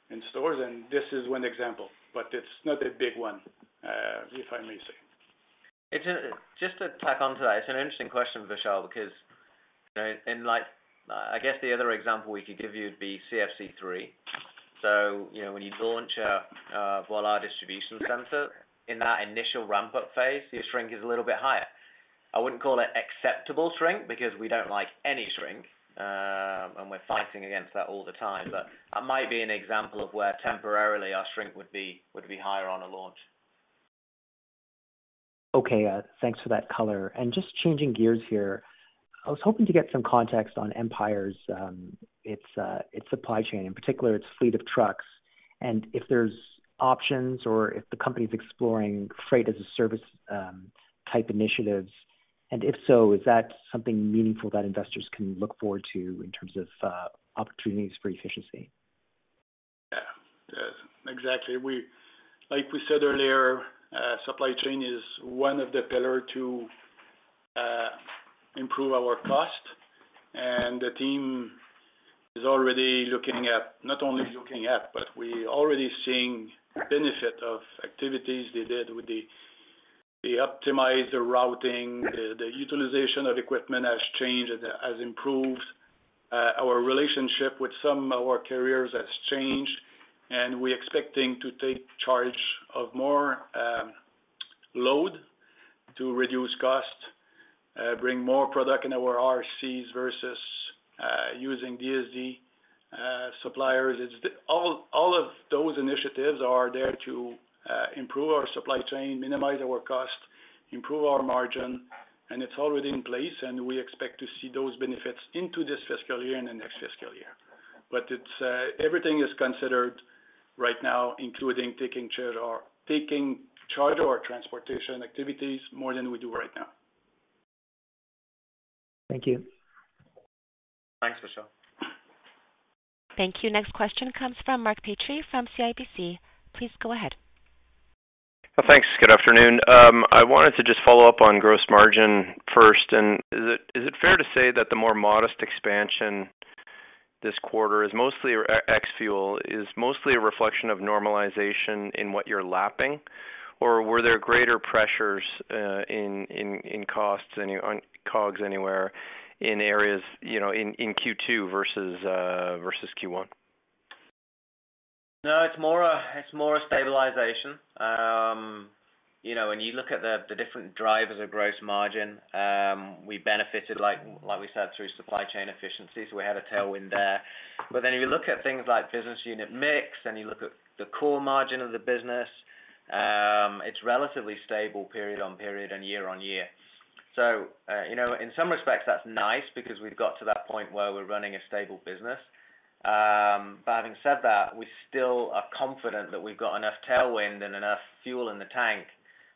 in stores, and this is one example, but it's not a big one, if I may say. It's just to tack on to that, it's an interesting question, Vishal, because, you know, and like, I guess the other example we could give you would be CFC 3. So, you know, when you launch a Voilà distribution center, in that initial ramp-up phase, your shrink is a little bit higher. I wouldn't call it acceptable shrink because we don't like any shrink and we're fighting against that all the time, but that might be an example of where temporarily our shrink would be higher on a launch. Okay, thanks for that color. Just changing gears here, I was hoping to get some context on Empire's supply chain, in particular, its fleet of trucks, and if there's options or if the company is exploring freight-as-a-service type initiatives, and if so, is that something meaningful that investors can look forward to in terms of opportunities for efficiency? Yeah, yes, exactly. We—like we said earlier, supply chain is one of the pillar to improve our cost, and the team is already looking at, not only looking at, but we already seeing benefit of activities they did with the optimized routing. The utilization of equipment has changed, has improved. Our relationship with some of our carriers has changed, and we're expecting to take charge of more load to reduce cost, bring more product in our RSCs versus using DSD suppliers. It's all, all of those initiatives are there to improve our supply chain, minimize our cost, improve our margin, and it's already in place, and we expect to see those benefits into this fiscal year and the next fiscal year. But it's everything is considered right now, including taking charge or taking charge of our transportation activities more than we do right now. Thank you. Thanks, Vishal. Thank you. Next question comes from Mark Petrie from CIBC. Please go ahead. Thanks. Good afternoon. I wanted to just follow up on gross margin first, and is it fair to say that the more modest expansion this quarter is mostly ex fuel, is mostly a reflection of normalization in what you're lapping? Or were there greater pressures in costs and on COGS anywhere in areas, you know, in Q2 versus Q1? No, it's more a stabilization. You know, when you look at the, the different drivers of gross margin, we benefited, like, like we said, through supply chain efficiencies. We had a tailwind there. But then if you look at things like business unit mix, and you look at the core margin of the business, it's relatively stable period on period and year on year. So, you know, in some respects, that's nice because we've got to that point where we're running a stable business. But having said that, we still are confident that we've got enough tailwind and enough fuel in the tank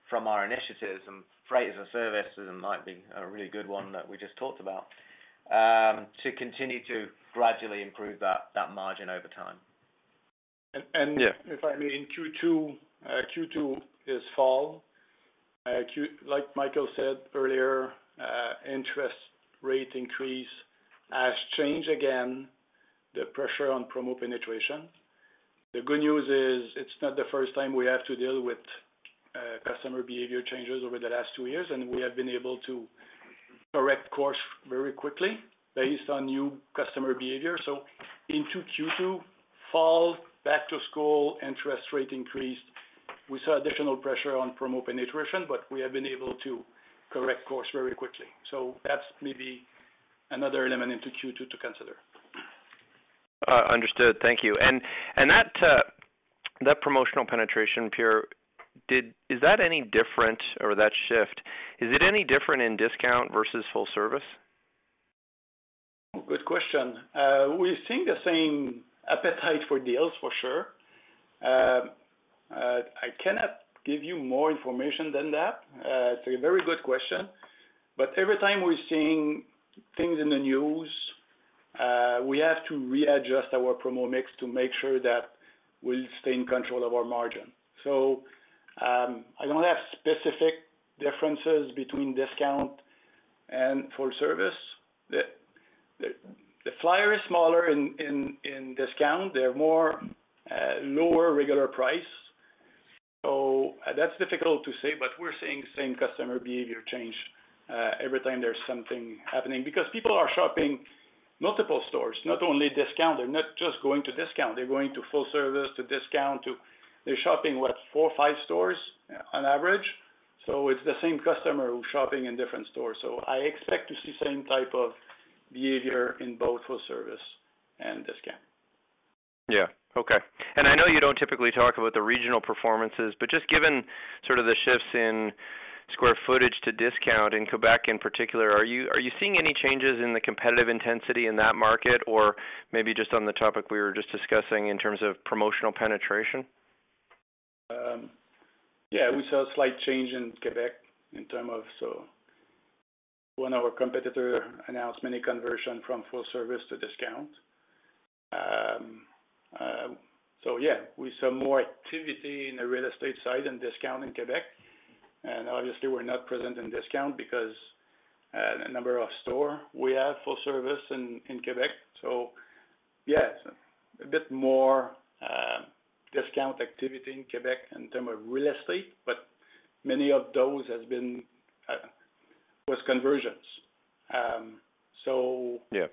from our initiatives and freight-as-a-service, and might be a really good one that we just talked about, to continue to gradually improve that, that margin over time. And, and- Yeah. If I may, in Q2, Q2 is fall. Like Michael said earlier, interest rate increase has changed again, the pressure on promo penetration. The good news is, it's not the first time we have to deal with, customer behavior changes over the last two years, and we have been able to correct course very quickly based on new customer behavior. So into Q2, fall, back to school, interest rate increased. We saw additional pressure on promo penetration, but we have been able to correct course very quickly. So that's maybe another element into Q2 to consider. Understood. Thank you. And that promotional penetration, Pierre, is that any different or that shift? Is it any different in discount versus full service? Good question. We're seeing the same appetite for deals for sure. I cannot give you more information than that. It's a very good question, but every time we're seeing things in the news, we have to readjust our promo mix to make sure that we'll stay in control of our margin. So, I don't have specific differences between discount and full service. The flyer is smaller in discount. They're more lower regular price. So that's difficult to say, but we're seeing the same customer behavior change every time there's something happening. Because people are shopping multiple stores, not only discount, they're not just going to discount, they're going to full service, to discount, to... They're shopping, what? Four or five stores on average. So it's the same customer who's shopping in different stores. I expect to see same type of behavior in both full service and discount. Yeah. Okay. And I know you don't typically talk about the regional performances, but just given sort of the shifts in square footage to discount in Quebec in particular, are you, are you seeing any changes in the competitive intensity in that market? Or maybe just on the topic we were just discussing in terms of promotional penetration? Yeah, we saw a slight change in Quebec in terms of so, one of our competitor announced many conversions from full service to discount. So yeah, we saw more activity in the real estate side and discount in Quebec. And obviously, we're not present in discount because, the number of stores we have full service in Quebec. So yes, a bit more, discount activity in Quebec in terms of real estate, but many of those has been conversions. Yeah.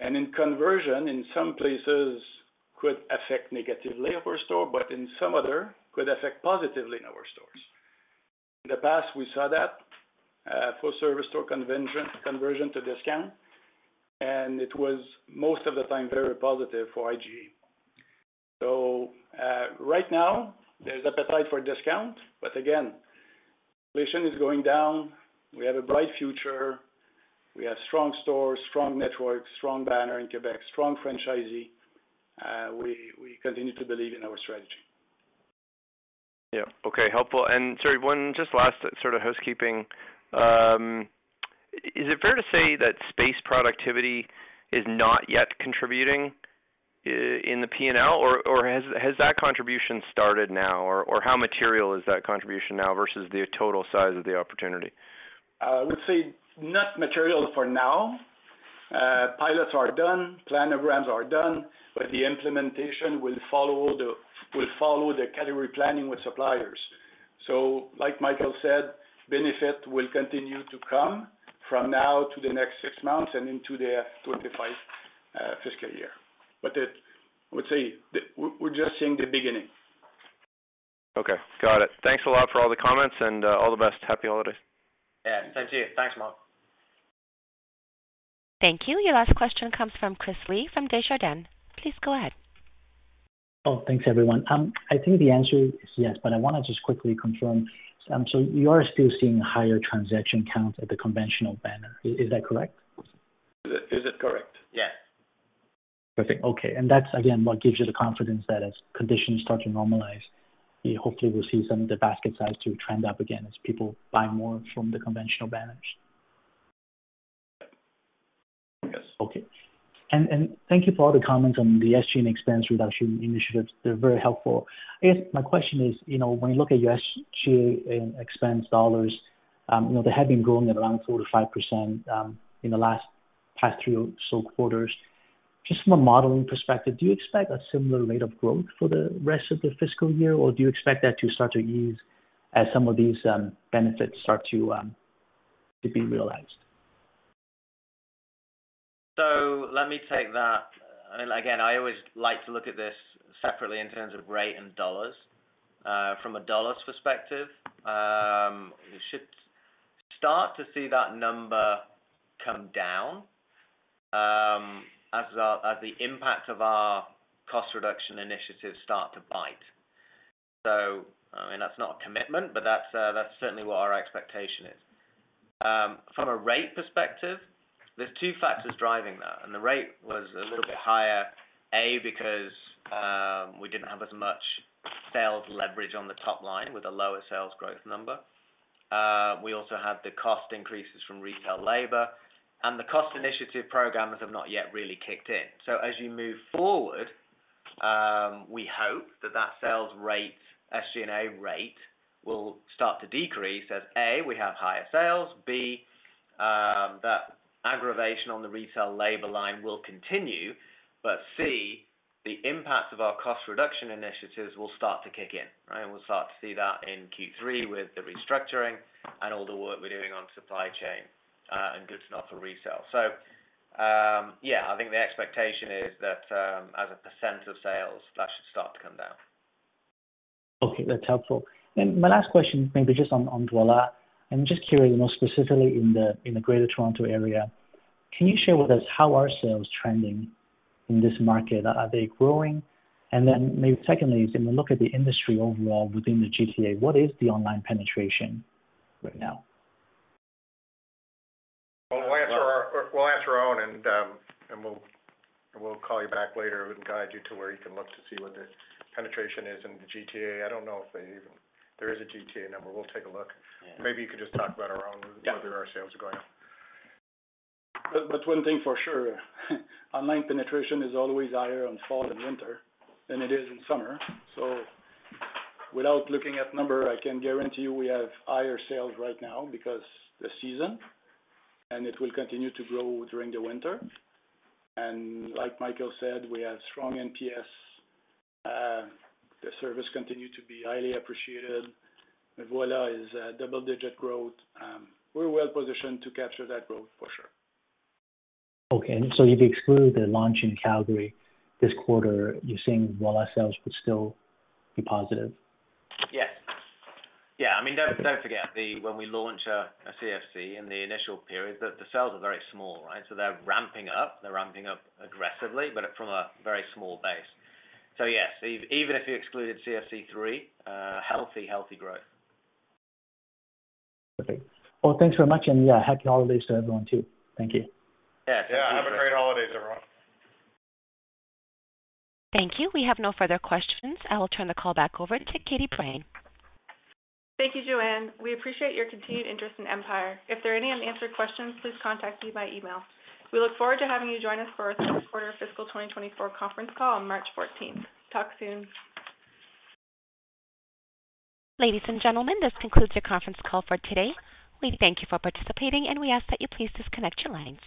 And in conversion, in some places could affect negatively our store, but in some other, could affect positively in our stores. In the past, we saw that, full service store conversion, conversion to discount, and it was most of the time, very positive for IGA. So, right now, there's appetite for discount, but again, inflation is going down. We have a bright future, we have strong stores, strong networks, strong banner in Quebec, strong franchisee. We, we continue to believe in our strategy. Yeah. Okay, helpful. Sorry, one just last sort of housekeeping. Is it fair to say that space productivity is not yet contributing in the P&L, or has that contribution started now? Or how material is that contribution now versus the total size of the opportunity? I would say not material for now. Pilots are done, planograms are done, but the implementation will follow the, will follow the category planning with suppliers. So like Michael said, benefit will continue to come from now to the next six months and into the 2025 fiscal year. But it. I would say, we're, we're just seeing the beginning. Okay, got it. Thanks a lot for all the comments, and all the best. Happy holidays. Yeah, thank you. Thanks, Mark. Thank you. Your last question comes from Chris Li from Desjardins. Please go ahead. Oh, thanks, everyone. I think the answer is yes, but I wanna just quickly confirm. So you are still seeing higher transaction counts at the conventional banner. Is that correct? Is it correct? Yes. Perfect. Okay. And that's again, what gives you the confidence that as conditions start to normalize, you hopefully will see some of the basket size to trend up again as people buy more from the conventional banners? Yes. Okay. And thank you for all the comments on the SG&A expense reduction initiatives. They're very helpful. I guess my question is, you know, when you look at your SG&A expense dollars, you know, they have been growing at around 4%-5% in the past three or so quarters. Just from a modeling perspective, do you expect a similar rate of growth for the rest of the fiscal year, or do you expect that to start to ease as some of these benefits start to be realized? So let me take that. Again, I always like to look at this separately in terms of rate and dollars. From a dollars perspective, you should start to see that number come down, as, as the impact of our cost reduction initiatives start to bite. So, I mean, that's not a commitment, but that's, that's certainly what our expectation is.... From a rate perspective, there's two factors driving that, and the rate was a little bit higher, A, because, we didn't have as much sales leverage on the top line with a lower sales growth number. We also had the cost increases from retail labor, and the cost initiative programs have not yet really kicked in. So as you move forward, we hope that that sales rate, SG&A rate, will start to decrease as, A, we have higher sales, B, that aggravation on the retail labor line will continue, but C, the impacts of our cost reduction initiatives will start to kick in, right? And we'll start to see that in Q3 with the restructuring and all the work we're doing on supply chain, and goods not for resale. So, yeah, I think the expectation is that, as a percent of sales, that should start to come down. Okay, that's helpful. My last question, maybe just on, on Voilà. I'm just curious, more specifically in the, in the Greater Toronto Area, can you share with us how are sales trending in this market? Are they growing? And then maybe secondly, in the look of the industry overall within the GTA, what is the online penetration right now? Well, we'll answer our own, and we'll call you back later and guide you to where you can look to see what the penetration is in the GTA. I don't know if they... if there is a GTA number. We'll take a look. Yeah. Maybe you could just talk about our own- Yeah. Whether our sales are going up. One thing for sure, online penetration is always higher on fall and winter than it is in summer. So without looking at number, I can guarantee you we have higher sales right now because the season, and it will continue to grow during the winter. And like Michael said, we have strong NPS. The service continue to be highly appreciated. Voilà is a double-digit growth, we're well positioned to capture that growth for sure. Okay. So if you exclude the launch in Calgary this quarter, you're saying Voilà sales would still be positive? Yes. Yeah, I mean, don't forget, when we launch a CFC in the initial period, the sales are very small, right? So they're ramping up, they're ramping up aggressively, but from a very small base. So yes, even if you excluded CFC 3, healthy growth. Okay. Well, thanks very much. And, yeah, happy holidays to everyone, too. Thank you. Yes. Yeah, have a great holidays, everyone. Thank you. We have no further questions. I will turn the call back over to Katie Brine. Thank you, Joanne. We appreciate your continued interest in Empire. If there are any unanswered questions, please contact me by email. We look forward to having you join us for our third quarter fiscal 2024 conference call on March fourteenth. Talk soon. Ladies and gentlemen, this concludes your conference call for today. We thank you for participating, and we ask that you please disconnect your lines.